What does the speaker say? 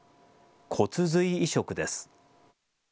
骨髄移植です。